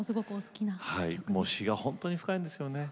詞が本当に深いんですよね。